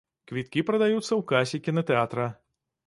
Квіткі прадаюцца ў касе кінатэатра.